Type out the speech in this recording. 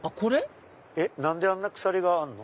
何であんな鎖があんの？